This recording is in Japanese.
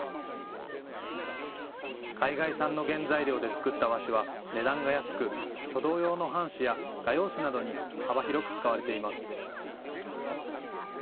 海外産の原材料で作った和紙は値段が安く書道用の半紙や画用紙などに幅広く使われています。